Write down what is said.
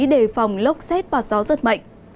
để phòng lốc xét vào gió rất mạnh